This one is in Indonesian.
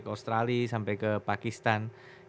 australia sampai ke pakistan